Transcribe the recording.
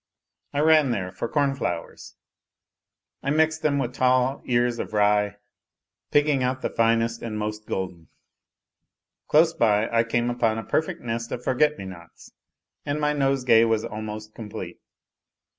I ran there for cornflowers; I mixed them with tall ears of rye, picking out the A LITTLE HERO 265 finest and most golden. Close by I came upon a perfect nest of forget me nots, and my nosegay was almost complete.